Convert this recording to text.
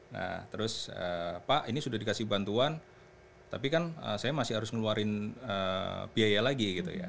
nah terus pak ini sudah dikasih bantuan tapi kan saya masih harus ngeluarin biaya lagi gitu ya